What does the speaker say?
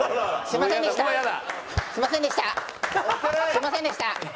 すみませんでした。